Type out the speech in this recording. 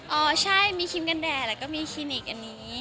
อ๋อใช่มีครีมกันแดดแล้วก็มีคลินิกอันนี้